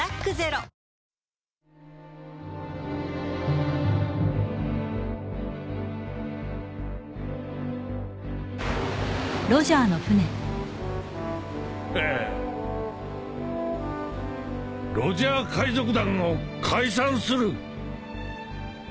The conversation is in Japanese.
ロジャー海賊団を解散する！